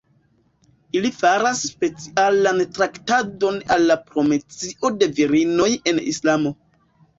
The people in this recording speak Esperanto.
Ili faras specialan traktadon al la promocio de virinoj en Islamo.